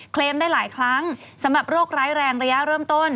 ลมได้หลายครั้งสำหรับโรคร้ายแรงระยะเริ่มต้น